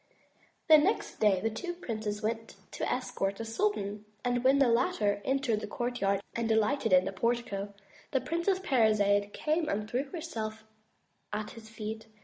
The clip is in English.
Next day the two princes went to escort the sultan and when the latter entered the courtyard and alighted at the portico, the Princess Parizade came and threw herself at his feet.